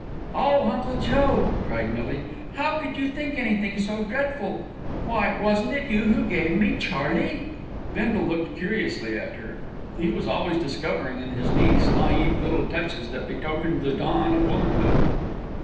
"Oh, Uncle Joe!" cried Millie, "how could you think anything so dreadful. Why, wasn't it you who gave me Charlie?" Bindle looked curiously at her. He was always discovering in his niece naïve little touches that betokened the dawn of womanhood.